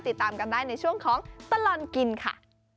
ติดตามกันได้ในช่วงของตลอดกินค่ะ